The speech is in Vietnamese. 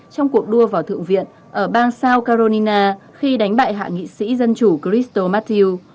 trong cuộc đua vào thượng viện ở bang south carolina khi đánh bại hạ nghị sĩ dân chủ christo matthew